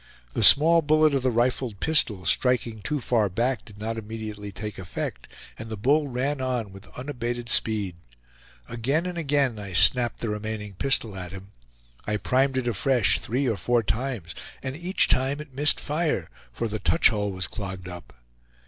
The small bullet of the rifled pistol, striking too far back, did not immediately take effect, and the bull ran on with unabated speed. Again and again I snapped the remaining pistol at him. I primed it afresh three or four times, and each time it missed fire, for the touch hole was clogged up.